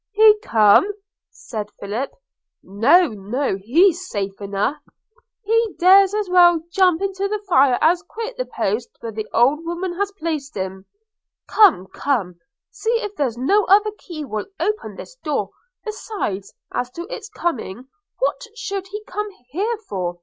'He come!' said Philip – 'No, no, he's safe enough – He dares as well jump into the fire as quit the post where the old woman has placed him – Come, come – see if there's no other key will open this door. Besides, as to his coming, what should he come here for?